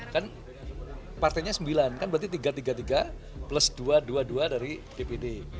kan partainya sembilan kan berarti tiga tiga plus dua dua dari dpd